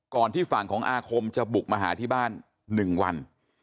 ก่อนที่ฝั่งของอาคมจะบุกมาหาที่บ้านหนึ่งวัน